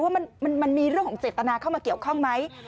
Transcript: ว่ามันมีเรื่องของเจตนาเข้ามาเกี่ยวข้องไหม